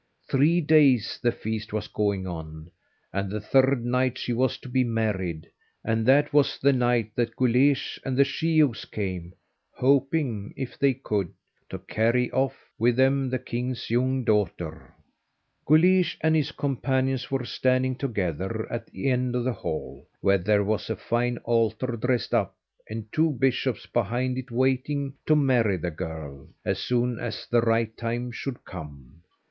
Three days the feast was going on, and the third night she was to be married, and that was the night that Guleesh and the sheehogues came, hoping, if they could, to carry off with them the king's young daughter. Guleesh and his companions were standing together at the head of the hall, where there was a fine altar dressed up, and two bishops behind it waiting to marry the girl, as soon as the right time should come.